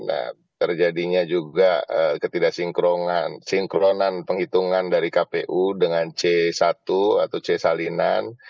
nah terjadinya juga ketidaksinkrongan sinkronan penghitungan dari kpu dengan c satu atau c salinan